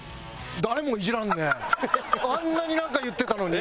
あんなになんか言ってたのに。